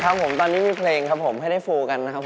ครับผมตอนนี้มีเพลงครับผมให้ได้ฟูกันนะครับผม